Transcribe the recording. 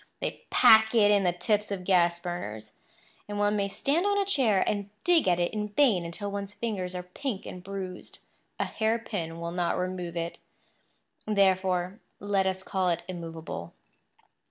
They pack it in the tips of gas burners; and one may stand on a chair and dig at it in vain until one's fingers are pink and bruised. A hairpin will not remove it; therefore let us call it immovable.